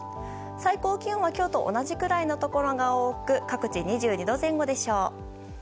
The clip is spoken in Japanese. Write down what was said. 最高気温は今日と同じくらいのところが多く各地２２度前後でしょう。